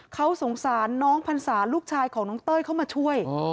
เขาสงสารน้องพรรษาลูกชายของน้องเต้ยเข้ามาช่วย